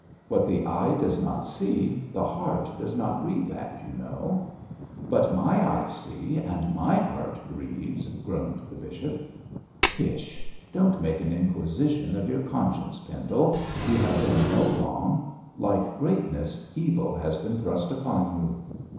"What the eye does not see, the heart does not grieve at," you know.' 'But my eye sees, and my heart grieves,' groaned the bishop. 'Pish! don't make an inquisition of your conscience, Pendle. You have done no wrong; like greatness, evil has been thrust upon you.'